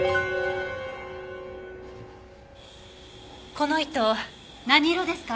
この糸何色ですか？